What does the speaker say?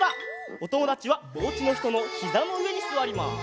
おともだちはおうちのひとのひざのうえにすわります。